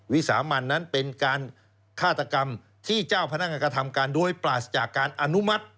วิสามันนั้นเป็นการฆาตกรรมที่เจ้าพนักงานกระทำการโดยปราศจากการอนุมัติ